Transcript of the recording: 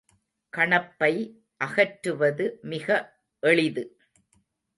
கணப்பை அகற்றுவது மிக எளிது.